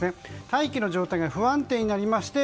大気の状態が不安定になりまして